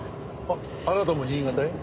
あなたも新潟へ？